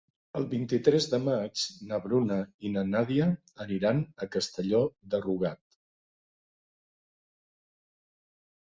El vint-i-tres de maig na Bruna i na Nàdia aniran a Castelló de Rugat.